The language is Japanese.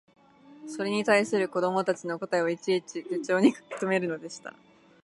それに対する子供たちの答えをいちいち手帖に書きとめるのでした